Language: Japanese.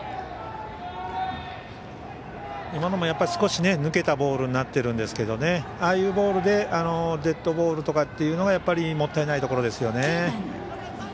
今のも少し抜けたボールになっていますがああいうボールでデッドボールとかというのがもったいないところですね。